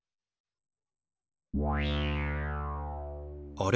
あれ？